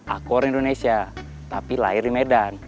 aku orang indonesia tapi lahir di medan